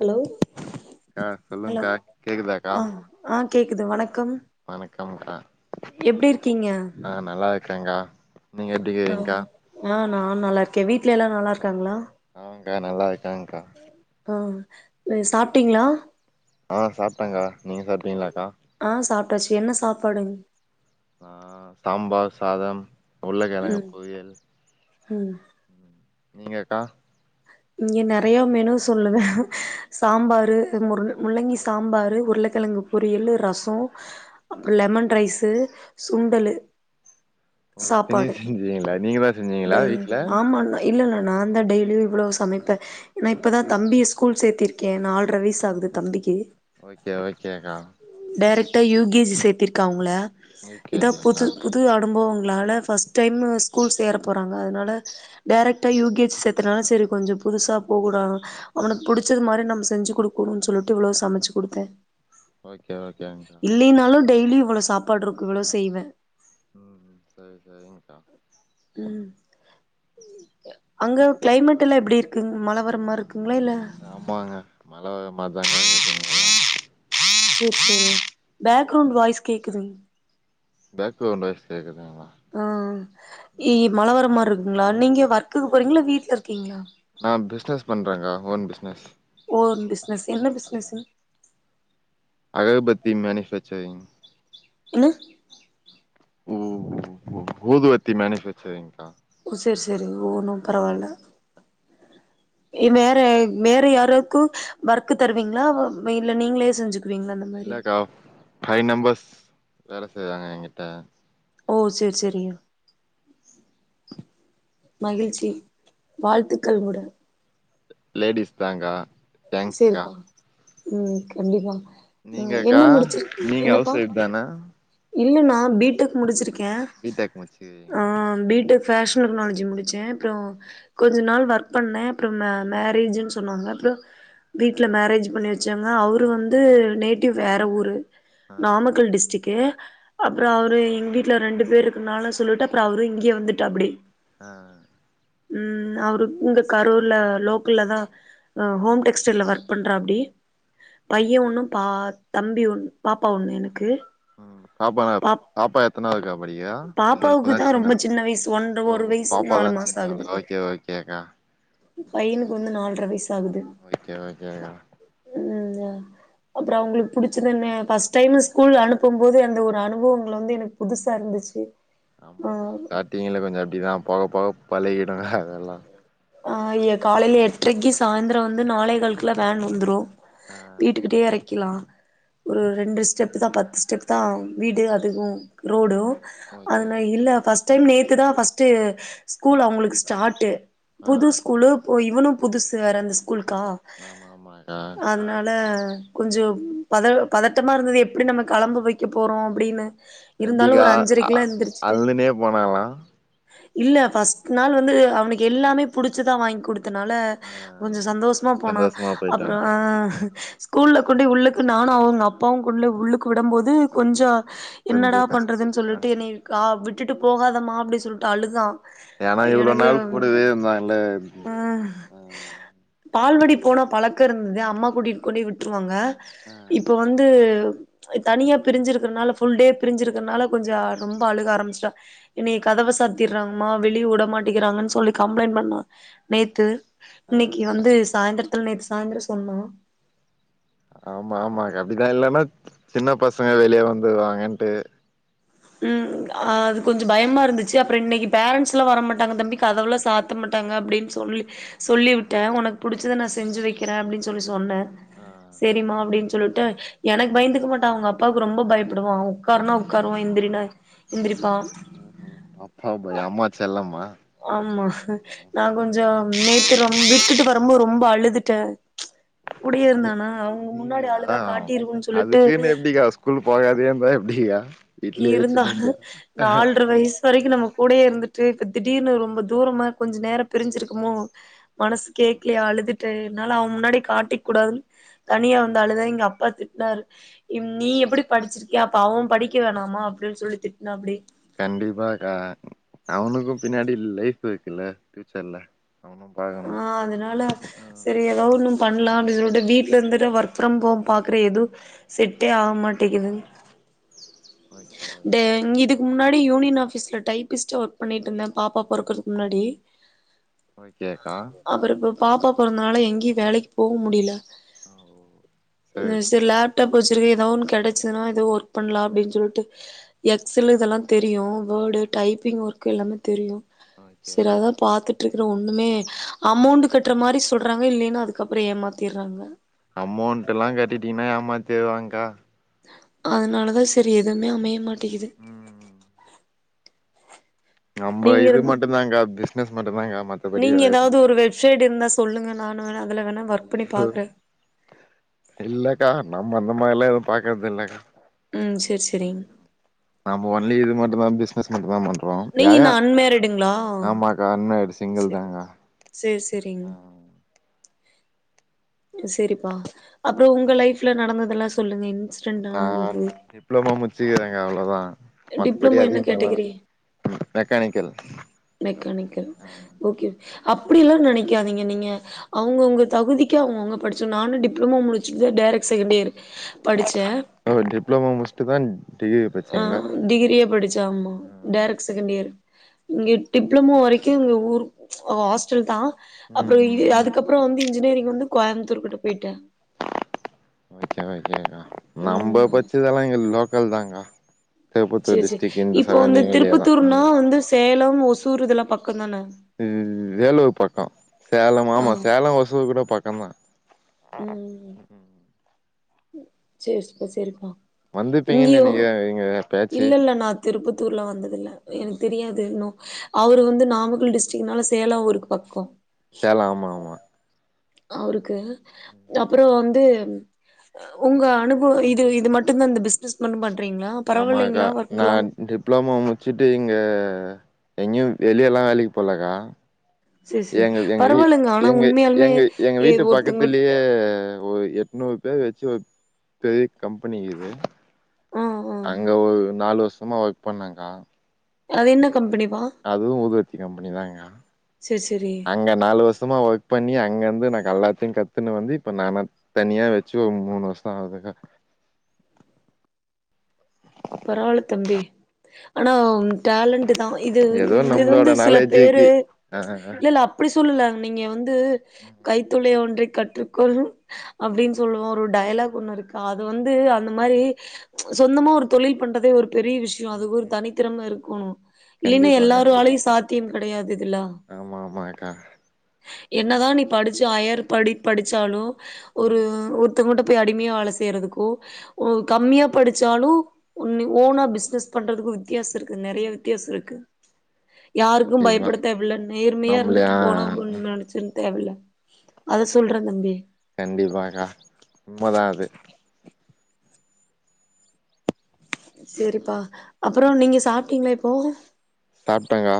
Hello அக்கா hello சொல்லுங்க்கா கேக்குதாக்கா ஆ ஆ கேக்குது வணக்கம் வணக்கம்கா எப்டி இருக்கீங்க ஆ நல்லாருக்கங்கா நீங்க ஆ எப்டிருகிங்கா ஆ நான் நல்லா இருக்க வீட்ல எல்லா நல்லாருக்காங்களா ஆங்க்கா நல்லா இருக்கேங்க்கா ஆ சாப்ட்டீங்களா ஆ சாப்டக்கா நீங்க சாப்ட்டிங்களாக்கா ஆ சாப்ட்டாச்சு என்ன சாப்பாடுங் ஆ சாம்பார் சாதம் உருளக்கெழங்கு ம் பொரியல் ம் நீங்கக்கா இங்கே நெறையா மெனு சொல்லுவ சாம்பாரு முரு முள்ளங்கி சாம்பாரு உருளக்கிழங்கு பொரியலு ரசம் அப்ப லெமன் ரைஸ்சு சுண்டலு ஓ சாப்பாடு இத்தனையு செஞ்சீங்களா நீங்க தா செஞ்சீங்களா டே வீட்ல ஆமான்னு இல்லலா நா தா டெய்லியு இவ்ளோ சமைப்பே ஏன்னா இப்போ தா தம்பிய ஸ்கூல் சேர்த்திருக்கே நால்ரை வயசாகுது தம்பிக்கு ஓகே ஓகே கா டேரெக்டா யூ கே ஜி சேத்திருக்கா அவங்கள யூ கே இதா ஜி புது ங்களா புது புது அனுபவங்களால ஃபர்ஸ்ட் டைம் ஸ்கூல் சேர போகறாங்க அதுனால டேரெக்டா யூ கே ஜி சேத்துனால சரி கொஞ்சோ புதுசா போகுட அவனுக்கு புடிச்சது மாரி நம்ம செஞ்சு குடுக்கணும்னு சொல்லிட்டு இவ்ளோ சமச்சு குடுத்தே ஓகே ஓகே ங்கா இல்லினாலு டெய்லி இவளோ சாப்பாடு இருக்கு இவ்வளோ செய்வே ம் செரி செரிங்க ம் அங்க கிளைமேட்டுலா எப்டி இருக்குங் மழ வரமாரிக்குங்ளா இல்ல ஆமாங்க மல வரா மார்தாங் [inaudible] சேர் செரிங் பேக்ரௌண்ட் வாய்ஸ் கேக்குதுங் பேக்ரவுண்ட் வாய்ஸ் கேக்குதுங்களா ஆ இ மழவரா மார் இருக் ங்ளா நீங்க வர்க்குக்கு போறீங்ளா வீட்ல இருக்கீங்ளா நா பிஸ்னஸ் பண்றேங்க ஓன் பிஸ்னஸ் ஓன் பிஸ்னஸ் என்ன பிஸ்னசு அகர்பத்தி மேனிஃபேச்சரிங் என்ன ஊதுவத்தி மேனிஃபேச்சரிங்கா ஓ சேரி சேரிங் ஒன்னு பரவால்ல இன்வேற வேற யாராக்கோ வர்க்கு தருவீங்ளா இல்ல நீங்ளே செஞ்சுக் இல்லக்கா ஃபைய் மெம்பர்ஸ் வேல செய்ராங்க எகிட்ட ஓ செரி செரியா மகிழ்ச்சி வாழ்த்துக்கள்ங்கூட லேடிஸ் பேங்கா சேரிப்பா ம் கண்டிப்பா ம் நீங்கக்கா என்ன முடிச்சிர்க்கிங் நீங்க ஹவுஸ் என்னபா ஒய்ஃப் தானா இல்ல நா பீ டெக் முடிச்சிருக்கே பி டெக் ஆ முடிச்சிருக்கீங்களா பீ டெக் ஃபேஷன் டெக்னாலஜி முடிச்சே அப்றோ கொஞ்சோ நாள் வர்க் பண்ணே அப்றோ மே மேரேஜுன் சொன்னாங்க அப்றோ வீட்ல மேரேஜ் பண்ணி வெச்சாங்க அவரு வந்து நேட்டிவ் வேற ஊரு ஆ நாமக்கல் டிஸ்டிக்கு அப்றோ ஓகே அவரு எங் வீட்ல ரெண்டு பேரு இருக்குனாலு சொல்லிட்டு அப்றோ அவுரோ இங்கே வந்துட்டோ அப்டி ஆ ஆ ம் அவரு இங்க கரூர்ல லோக்கல்ல தா ஹோம் டெக் ஹாஸ்டல்ல வர்க் பண்றா அப்டி பைய ஓகே ஒண்ணு பா தம்பி ஒண் பாப்பா ஒண்ணு எனுக்கு பாப்பால பாப்பா எத்தனாவதுகா படிக்ரா இல்ல பாப்பாவுக்கு இப்பதா தா ரொம்ப சின்ன வயசு ஒன்ற ஓ ஒரு வயசு நாலு பாப்பாதா மாசோ சின்னவலா ஓக்கே ஓக்கேகா பையினுக்கு வந்து நால்ர வயிஸ் ஆகுது ஓகே ஓகேங்கா அப்றோ அவங்ளுக் புடிச்சிதென்ன பஸ்டைம்மு ஸ்கூல் அனுப்பும் போது அந்த ஒரு அனுபவுங்கள் வந்து எனுக் புதுசா இருந்துச்சு ஆ ஆமாங்கா ஸ்டாட்டிங்ல கொஞ்சோ அப்டிதா போக போக பழகிடுங்க அதலா ஆ ய காலையில எட்ரைக்கு சாய்ந்ரோ வந்து நாளேகாள்க்குலா வேன் வந்துரோ ஆ வீட்டுக்கிட்டே எறைக்கிலா ஒரு ரெண்டு ஸ்டெப்பு தா பத்து ஸ்டெப்தா வீடு அதுவோ ரோடோ ஓகே அதுன ஓகேக்கா இல்ல ஃபஸ் ஸ்ட் ட்டைம் நேத்து தா ஃபஸ்ட்டு ஸ்கூல் அவுங்ளுக்கு ஸ்டார்ட்டு ஆ புது ஸ்கூலு இப்போ இவுனு புதுசு வேற இந்த ஸ்கூல்கா ஆமா ஆமா அதா அதனால கொஞ்சோ பத பதட்டமா இருந்தது எப்டி நம்ம களம்ப வெக்க போறோ அப்டினு இருந்தாலு எப்டிக்கா ஒரு அ அஞ்சரைக்லா எந்திர்சிட்டு அழுதுனே போனாலா இல்ல ஃபஸ்ட் நாள் வந்து அவுனுக்எல்லாமே புடிச்சுதா வாங்கிகுடுத் தனால ஆ கொஞ்சோ சந்தோஸ்மா போனா சந்தோஷமா போயிட்டு அப்றோ ஆ வன்ட்டா கூல்ல கொண்டு உள்ளுக்கு நானோ அவுங்க அப்பாவோ குள்ள உள்ளுக்கு விடம்போது கொஞ்சோ கொஞ்ச என்னடா கஷ் பண்ணறதுனு ஆ சொல்லிட்டு என்னய கா விட்டுட்டு போகாதமா அப்டினு சொல்லிட்டு அழுதா ஏனா இவ்ளோ நாள் கூடவே இருந்தா இல்ல அ பால்வடி போன பழக்கோ இருந்தது அம்மா கூட்டிட்டு கொண்டு விட்ருவாங்க ஆ இப்போ வந்துப் ம்ச் தனியா பிரிஞ்சிருக்கறனால ஃபுல் டே பிரிஞ்சிருக்கறனால கொஞ்ச ரொம்ப அழுக ஆரம்பிச்சிட்டா என்னய கதவ சாத்திடுறாங்கமா வெளியே உடமாட்டக்கிறாங்கனு சொல்லி கம்ப்ளைன்ட் பண்ணா நேத்து ஆ இன்னிக்கு வந்து சாயந்திரத்துல நேத்து சாயந்திரோ சொன்னா ஆமா ஆமாங்க அப்டிதா இல்லன்னா சின்ன பசங்க வெளியே வந்து வாங்கன்ட்டு ம் அது கொஞ் ஞ்சோ பயமாருந்துச்சு அப்புறோ இன்னிக்கு பேரன்ட்ஸ்லா வர மாட்டாங்க தம்பி கதவுலா சாத்த மாட்டாங்க அப்டின்னு சொல்லி சொல்லி உட்ட உனக்கு புடிச்சத நா செஞ்சு வைக்றே அப்டின்னு சொல்லி சொன்னே அ செரிமா அப்டினு சொல்லிட்டு எனக்கு பயந்துக்க மாட்டா அவுங்க அப்பாவுக்கு ரொம்ப பய்ப்படுவா உக்கார்னா உக்காருவா எந்திரி னா எந்திரிப்பா ம்ஹூம் அப்பா பயோ அம்மா செல்லமா ஆமா நா கொஞ்சோ நேத்து ரொம் விட்டுட்டு வரும்போது ரொம்ப அழுதுட்டே ம்ச் கூடயே நீ இருந்தானா அவுங்க முன்னாடி நீங்களா அழுதா காட்டிர்வோன்னு சொல்லிட்டு அதுக்குன்னு எப்டிக்கா ஸ்கூல் போகாதயே இருந்தா எப்டியா இருந்தாலு நால்ர வயசு வரைக்கு நமக் கூடயே இருந்துட்டு இப்ப திடீர்னு ரொம்ப தூரமா கொஞ்ச நேரோ பிரிஞ்சிருக்கமோ மனசு கேக்கலயா அழுதுட்டே என்னால அவ முன்னாடி காட்டிக்கூடாதுன் தனியா வந்து அழுதா எங்க அப்பா திட்டினாரு இம் நீ எப்டி படிச்சிருக்கியா அப்ப அவ படிக் கவேணாமா அப்டின்னு சொல்லி திட்னாப்புடி கண்டிப்பா கா அவனுக்கு பின்னாடி லைஃப் இருக்குல்ல பியூச்சர்ல ஆ அதனால செரி அத் எதோ ஒன்னு பண்லா அப்டினு சொல்ட்டு வீட்ல இருந்துட்டு ஒர்க் ஃப்ரம் ஹோம் பாக்கற எது செட்டே ஆவமாட்டேக்கிது ஓகே ஓகே டேங் இதுக் முன்னாடி யூனியன் ஆபிஸ்ல டைப்பிஸ்ட்டா ஒர்க் பண்ணிட்ருந்தே பாப்பா பொறக்கறக்கு முன்னாடி ஓகேக்கா அப்றோ இப்ப பாப்பா பொறந்தனால எங்கேயு வேலக்கு போ முடியல ஆ ஓ சரி சரி மிஸ்ஸுல்லப் ட்டா [unintelligible] ஏதா ஒன்னு கெடச்சதுன்னா ஏதோ ஒர்க பண்லா அப்டினு சொல்ட்டு எக்ஸெல் இதெல்லா தெரியு வேர்டு டைப்பிங் ஒர்க்கு எல்லாமே தெரியு ஓகே செரி ஓகே அதா பாத்துட்ருக்குறோ ஒன்னுமே அமௌண்ட் கட்டுற மாரி சொல்றாங்க இல்லைனா அதுக்கப்புறோ ஏமாத்திடுறாங்க அமௌண்ட்லா கட்டிட்டிங்னா ஏமாத்திர்வாங்கக்கா அதனால தா செரி எதுமே அமைய மாட்டிக்கிது நம்ப நீங்க இது இரு மட்டுதாங்கா பிசினஸ் மட்டுதாங்கா மத் நீங்க ஏதாது ஒரு வெப்சைட் இருந்தா சொல்லுங்க நானு வேணா அதில வேணா ஒர்க் பண்ணி பாக்றே இல்லக்கா நம்ம அந்த மாரிலா எது பாக்குறது இல்ல கா ம் செர் செரிங் நம்ம ஒன்லி இது மட்டுதா பிஸ்னஸ் மட்டுதா பண்ணு ப்றோ நீங்க யாரு இன்னு அன்மேரிடுங்களா ஆமாக்கா அன்மெரிட் சிங்கிள் தாங்கா செர் செரிங் செரிப்பா அப்றோ ஒங்க லைஃப்ல நடந்ததெல்லா சொல்லுங்க இன்ஸ் நா டிப்ளமா முச்சுக்கிறேங்கா அவ்ளோதா மத்தபடி டிப்ளமோ என்ன அதிகமாலா கேட்டகிரி ம் மெக்கானிக்கல் மெக்கானிக்கல் ஓகே அப்டிலா நெனைக்காதீங்க நீங்க அவுங்கவுங்க தகுதிக்கு அவுங்க அவுங்க படிச்ச நானும் டிப்ளமோ முடிச்சுதா டேரக்ட் செகண்ட் இயர்ரு படுச்சே ஓ டிப்ளோமோ முடுச்சுட்டு தான் ஆ டிகிரியே படிச்சா ஆம்மா டேரக்ட் ஓகே செகண்ட் இயர் இங்கே டிப்ளமோ வரைக்கும் இங்க ஊர் அ ஹாஸ்டல் தா அப்றோ இது ம் அதுக்கப்றோம் வந்து இன்ஜினியரிங் வந்து கோயம்புத்தூர் கிட்ட போயிட்டே ஓகே ஓகே நம்ம ம் பச்சதெல்லாம் இங்க லோக்கல் தாங்க சேரி சேரி இப்போ வந்து தா திருப்பத்தூர்னா வந்து சேலம் ஒசூர் இதெல்லாம் பக்கம் தான இது வேலூர் பக்கோம் சேலம் ஆ ஆமா சேலம் ஒசூர் கூட பக்கம் தா உம் சேரி சி ப்பா சரிப்பா வந்துப்பீங்கன்னு நெனைக்குறே இங்க இல்ல இல்ல நா திருப்பத்தூர்ல வந்ததுல எனக்கு தெரியாது இன்னு அவரு வந்து நாமக்கல் டிஸ்டிக்னால சேலோ அவருக்கு பக்கோ சேலோம் ஆமா ஆமா அவருக்கு அப்றோம் வந்து உங்க அனுபவம் இது இது மட்டும் தா இந்த பிசினஸ் மட்டும் பண்றீங்களா ஆமாக்கா பரவாயில்லைங்ளா நா ஒர்க்லா டிப்ளமோ முடிச்சுட்டு இங்க எங்கயும் வெளியெல்லா வேலைக்கு போலக்கா சேரி சேரி எங்க எங்க வீ பரவால்லங்க ஆனா எங்க உண்மையாலுமே எங்க எங்க ஏ வீட்டு பக்கத்துலயே ஒருத்தங்கிட்ட ஒரு எண்ணூறு பேர் வச்சு ஒரு பெரிய கம்பெனி இக்குது ஆ ஆ அங்க ஒரு நாலு வருஷமா ஒர்க் பண்ணேக்கா அது என்ன கம்பெனி பா அதுவு ஊதுபத்தி கம்பெனி தாங்க்கா சேரி சேரி அங்க நாலு வருஷமா ஒர்க் பண்ணி அங்கருந்து நா கல்லாத்தையும் கத்துன்னு வந்து இப்ப நான் தனியா வச்சு ஒரு மூணு வருஷோ ஆகுதுக்கா பரவால்ல தம்பி ஆனா டேலண்ட் தா இது ஏதோ இது நம்மளோட வந்து சில பேரு நாலேஜுக்கு ஆ ஆ ஆ இல்லல அப்டி சொல்லல நீங்க வந்து ம் கைத்தொழில் ஒன்றை கற்றுக்கொள் அப்டின்னு சொல்லுவோ ஒரு டயலாக் ஒண்ணு இருக்கு அது வந்து அந்த மாரி சொந்தமா ஒரு தொழில் பண்றதே ஒரு பெரிய விஷயோம் ம் அதுக்கு ஒரு ம் தனித்திறம இருக்கணும் இல்லைன்னா கண்டிப்பா கண்டிப்பா எல்லாராலையும் சாத் தீம் கெடையாது இதுல்லா ஆமா ஆமாங்க்கா என்னதா நீ படிச்சு அயர் படி படிச்சாலும் ம் ஒரு ஒர் த்தங்ககிட்ட போய் அடிமையா வேலை செய்யறதுக்கூ கம்மியா படிச்சாலும் உன் ஓனா பிசினஸ் பண்றதுக்கு வித்தியாசம் இருக்கு நெறைய வித்தியாசம் இருக்கு யாருக்கும் கண்டிப்பா பயப்பட தேவைல்ல நேர்மையா இருந்துட்டு நம்மளயா போன போதும்னு நெனச்சிர் தேவல அத சொல்றே தம்பி கண்டிப்பாங்க்கா உண்மதா அது சேரிப்பா அப்றோ நீங்க சாப்ட்டீங்ளா இப்போ சாப்டேங்கா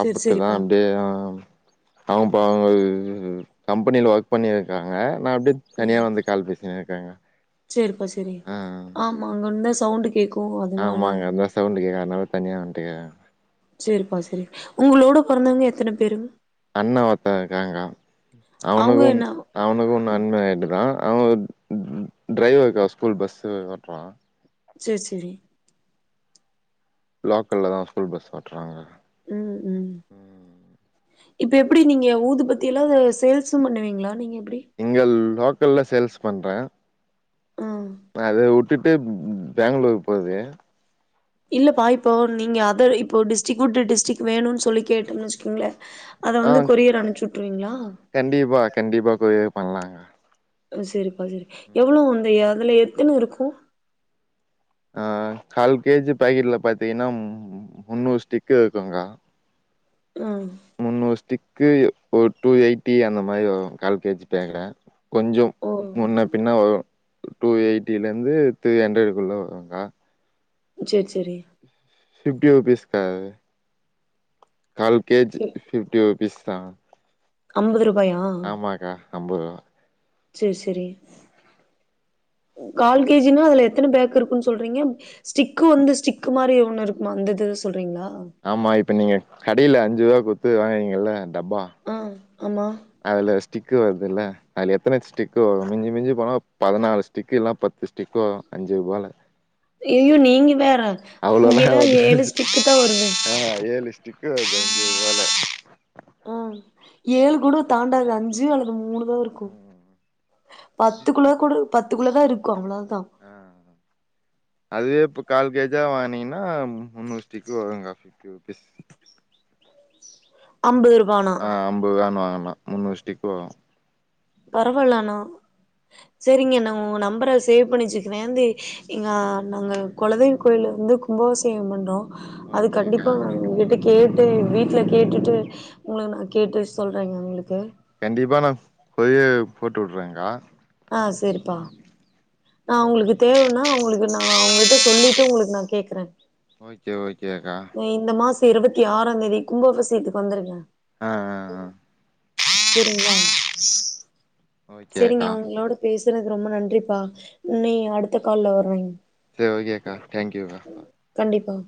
சேரி சேரிப்பா அப்டியே அவன் பா இ கம்பெனியில ஒர்க் பண்ணியிருக்காங்க நா அப்டியே தனியா ம் வந்து கால் பேசினுருக்கேங்க்கா ஆ மா அங்கிருந்தா சவுண்ட் கேக்கும் ஆமாங்க அது தா சவுண்டு கேக்கதனால தனியா வந்துட்டேங்க சேரிப்பா செரி உங்களோட பொறந்தவங்க எத்தன பேரு அண்ண ஒருத்த இருக்காங்க்கா அவங்க அவனுக்கும் என்ன அவனுக்கு இன்னு அன்மேரிடுதா அவ டிரைவருக்கா ஸ்கூல் பஸ்ஸு ஓட்றா சேர் செரி லோக்கல்லதா ஸ்கூல் பஸ் ஓட்றாங்கா ம் ம் இப்ப எப்டி நீங்க ஊது பத்தியெல்லா சேல்ஸ்ஸும் பண்ணுவீங்ளா நீங்க எப்டி இங்கள் லோக்கல்ல சேல்ஸ் பண்றே ம் அதவுட்டுட்டு பேங்ளூர் போகுது இல்லப்பா இப்போ நீங்க அதர் இப்போ டிஸ்டிக் உட்டு டிஸ்டிக் வேணூன் சொல்லி கேட்டம்னு வச்சிக்கோங்ளே அத ஆ வந்து கொரியர் அனுப்சி விட்ருவீங்ளா கண்டிப்பா கண்டிப்பா கொரியர் பண்லாங்க செரிப்பா செரி எவ்வளோ வந்து ஏ அதுல எத்தன இருக்கு ஆ கால் கே ஜி பாக்கெட்ல பாத்தீங்கனா முந்நூறு ஸ்டிக்கு இருக்குங்கா ம் முந்நூறு ஸ்டிக்கு ஒரு டூ எயிட்டி அந்த மாரி வரு கால் கே ஜி பேக்குல கொஞ்சோ ஓ முன்ன பின்ன வரு டூ எயிட்டிலருந்து த்ரீ அண்ரடுக்குள்ள வருக்கா செர் செரீ பிஃப்டி ருபீஸ் கா அது கால் கே ஜி ஃபிப்டி ருபீஸ் தா அம்பது ருபாயா ஆமாக்கா அம்பது ருவா செர் சேரி கால் கே ஜி னா அதுல எத்தன பேக் இருக்குன் சொல்றீங்க ஸ்டிக்கு வந்து ஸ்டிக்கு மாரி ஒன்னு இருக்குமா அந்த இது சொல்றீங்ளா ஆமா இப்போ நீங்க கடையில அஞ்சு ரூவா குத்து வாங்குவீங்கல்ல டப்பா ஆ ஆமா அதுல ஸ்டிக்கு வருதுல்ல அதுல எத்தன ஸ்டிக் வரு மிஞ்சி மிஞ்சி போனா பதினாலு ஸ்டிக்கு இல்லனா பத்து ஸ்டிக்கு வரு அஞ்சி ருபால அய்யய்யோ நீங்க வேற அவ்ளோல இங்கெல்லா ஆவாது ஏழு ஸ்டிக்கு தா வருது ஆ ஏழு ஸ்டிக்கு வரு அஞ்சி ருபால ஆ ஏழு கூட தாண்டாது அஞ்சி அல்லது மூணு தா இருக்கு ம். பத்துக்குள்ள கூட பத்து குள்ளதா இருக்கு அவ்வளோதா ஆ அதுவே இப்ப கால் கே ஜா வாங்குனீங்கனா முன்னூறு ஸ்டிக்கு வருங்க ஃபிப்டி ருபீஸ் அம்பது ருபானா ஆ ஐம்பதுவேனு வாங்குனா முன்னூறு ஸ்டிக்கு வரு பரவால்ல ஆனா செரிங்க நா உங்க நம்பர சேவ் பண்ணி வச்சுக்கிறே அந்த இங்க நாங்க கொலதெய்வ கோயில்லருந்து கும்பாவிசேகோ பண்றோ அது ஓகேக்கா கண்டிப்பா இடிக் கேட்டு வீட்ல கேட்டுட்டு உங்ள நா கேட்டு சொல்றேங்க உங்ளுக்கு கண்டிப்பா நா கொரியர் போட்டு உட்றேங்கா ஆ செரிப்பா நா அவங்களுக்கு தேவனா அவங்களுக்கு நா அவங்ககிட்ட சொல்லிட்டு உங்களுக்கு நா கேக்குறே ஓகே ஓகே அக்கா அ இந்த மாச இருபத்தி ஆறாந் தேதி கும்பாவிசேத்துக்கு வந்துருங்க ஆ ஆ ஆ செரிங்களா செரிங்க ஓகேக்கா உங்களோட பேசுறது ரொம்ப நன்றிப்பா இன்னி அடுத்த கால்ல வருவேங் செரி ஓகேக்கா டேங்க்யூக்கா கண்டிப்பா